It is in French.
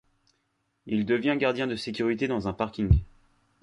Il devient gardien de sécurité dans un parking.